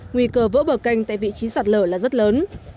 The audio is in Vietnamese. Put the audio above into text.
nguy cơ vỡ bờ kênh tại vị trí sạt lỡ là rất lớn